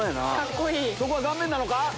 そこは顔面なのか？